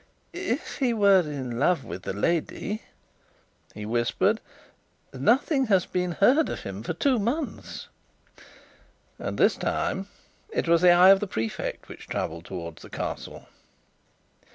"If he were in love with the lady?" he whispered. "Nothing has been heard of him for two months;" and this time it was the eye of the Prefect which travelled towards the Castle.